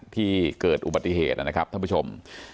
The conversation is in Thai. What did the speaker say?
ที่เกิดอุบัติเหตุนะครับท่านผู้ชม